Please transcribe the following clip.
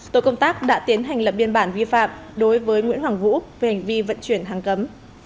tổ công tác đã tiến hành lập biên bản vi phạm đối với nguyễn hoàng vũ về hành vi vận chuyển hàng cấm